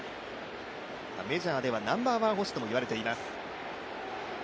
メジャーではナンバーワン捕手とも言われています。